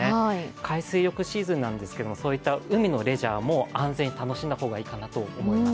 海水浴シーズンなんですけど海のレジャーも安全に楽しんだ方がいいかなと思います。